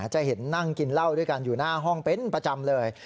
จะเห็นนั่งกินเหล้าด้วยกันอยู่หน้าห้องเป็นประจำเลย